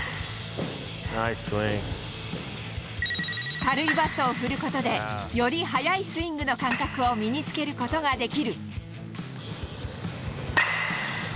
軽いバットを振ることで、より速いスイングの感覚を身につけることができる。